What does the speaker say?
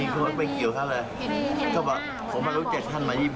ก็แบบผมมารู้จักท่านมา๒๕ปี